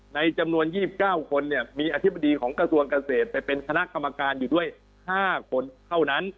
ในจำนวน๒๙คนเนี่ยมีอธิบดีของกระทรวงเกษตรไปเป็นคณะกรรมการอยู่ด้วย๕คนเท่านั้น